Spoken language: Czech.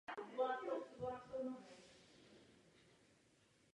Oba bratři se společně podíleli na expanzi podniku a rozšiřovali paletu produktů.